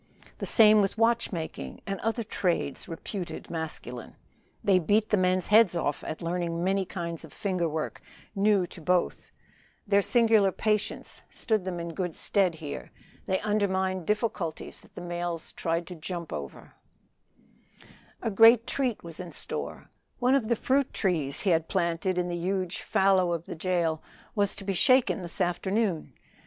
The same with watch making and other trades reputed masculine; they beat the men's heads off at learning many kinds of fingerwork new to both; their singular patience stood them in good stead here; they undermined difficulties that the males tried to jump over and fell prostrate. A great treat was in store; one of the fruit trees he had planted in the huge fallow of Jail was to be shaken this afternoon.